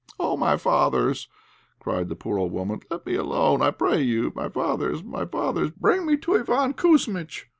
"Oh, my fathers!" cried the poor old woman. "Let me alone, I pray you; my fathers, my fathers, bring me to Iván Kouzmitch."